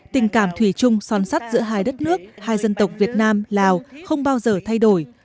tình cảm thủy chung son sắt giữa hai đất nước hai dân tộc việt nam lào không bao giờ thay đổi